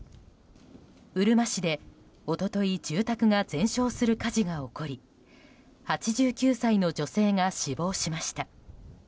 うるま市で一昨日住宅が全焼する火事が起こり８９歳の女性が死亡しました。